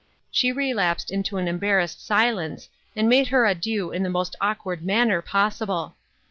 She relapsed into an embarrassed silence, and made her adieu in the most awkward manner possible.